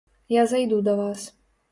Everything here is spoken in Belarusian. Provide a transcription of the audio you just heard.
Я зайду да вас.